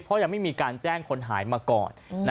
เพราะยังไม่มีการแจ้งคนหายมาก่อน